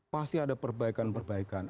pasti ada perbaikan perbaikan